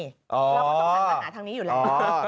เราก็ต้องการปัญหาทางนี้อยู่แล้ว